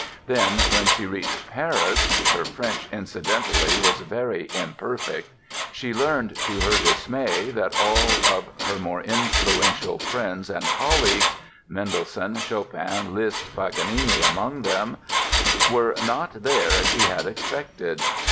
Then, when she reached Paris (her French, incidentally, was very imperfect), she learned to her dismay that all of her more influential friends and colleagues—Mendelssohn, Chopin, Liszt, Paganini among them—were not there as she had expected.